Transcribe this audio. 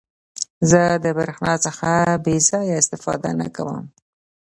زه د برېښنا څخه بې ځایه استفاده نه کوم.